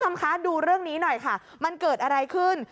สำคัญดูเรื่องนี้หน่อยค่ะมันเกิดอะไรขึ้น